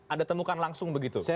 anda temukan langsung begitu